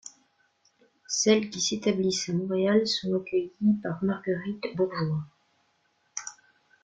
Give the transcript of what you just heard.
Celles qui s'établissent à Montréal sont accueillies par Marguerite Bourgeoys.